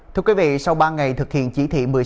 thưa quý vị sau ba ngày thực hiện chỉ thị một mươi sáu